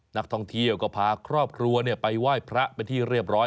นักท่องเที่ยวก็พาครอบครัวไปไหว้พระเป็นที่เรียบร้อย